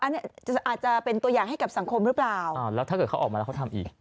อันนี้อาจจะเป็นตัวอย่างให้กับสังคมหรือเปล่าอ่าแล้วถ้าเกิดเขาออกมาแล้วเขาทำอีก